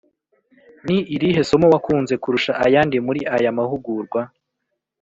Ni irihe somo wakunze kurusha ayandi muri aya mahugurwa